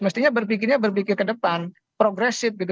mestinya berpikirnya berpikir ke depan progresif gitu